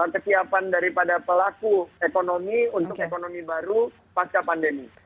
kesiapan daripada pelaku ekonomi untuk ekonomi baru pasca pandemi